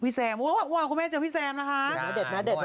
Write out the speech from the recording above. พี่แซมวันวันคุณแม่เจอพี่แซมนะคะ